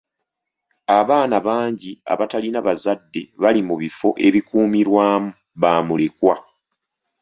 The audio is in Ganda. Abaana bangi abatalina bazadde Bali mu bifo ebikuumirwamu bamulekwa.